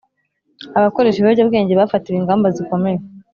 Abakoresha ibiyobyabwenge bafatiwe ingamba zikomeye